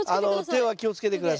手は気をつけて下さいね。